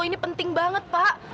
ini penting banget pak